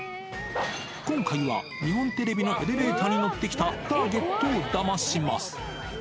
今回は、日本テレビのエレベーターに乗ってきたターゲットをダマします。